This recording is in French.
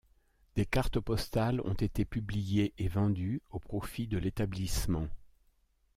Des cartes postales ont été publiées et vendues au profit de l’établissement.